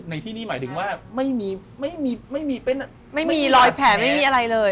ในที่นี่หมายถึงว่าไม่มีไม่มีไม่มีเป็นไม่มีรอยแผนไม่มีอะไรเลย